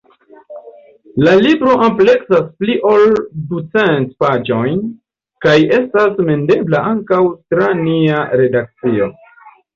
La libro ampleksas pli ol ducent paĝojn, kaj estas mendebla ankaŭ tra nia redakcio.